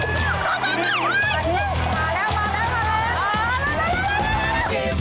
มาแล้ว